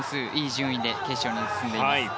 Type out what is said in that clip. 順位で決勝に進んでいます。